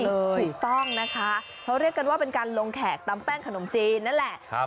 ถูกต้องนะคะเขาเรียกกันว่าเป็นการลงแขกตำแป้งขนมจีนนั่นแหละ